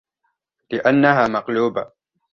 لِأَنَّهَا مَقْلُوبَةٌ